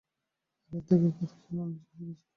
আগের থেকে কত যেন নিচু হয়ে গেছি।